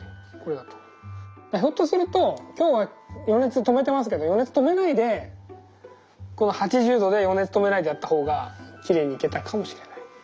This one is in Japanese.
だからひょっとすると今日は余熱止めてますけど余熱止めないでこの８０℃で余熱止めないでやった方がきれいにいけたかもしれない。